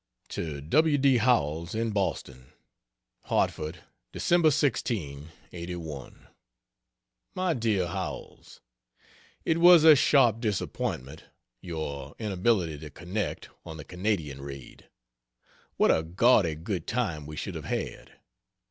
To W. D. Howells, in Boston: HARTFORD, Dec. 16 '81. MY DEAR HOWELLS, It was a sharp disappointment your inability to connect, on the Canadian raid. What a gaudy good time we should have had!